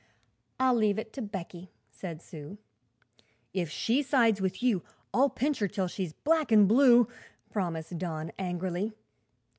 "I'll leave it to Becky," said Sue. "If she sides with you, I'll pinch her till she's black an' blue," promised Don angrily.